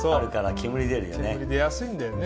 煙出やすいんだよね。